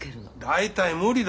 大体無理だ。